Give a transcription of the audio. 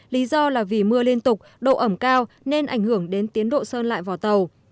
lý do là vì mưa liên tục độ ẩm cao nên ảnh hưởng đến tiến độ sơn lại vò tàu